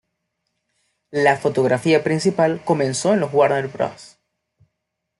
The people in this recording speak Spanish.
La fotografía principal comenzó en los Warner Bros.